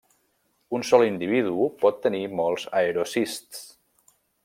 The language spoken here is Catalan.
Un sol individu pot tenir molts aerocists.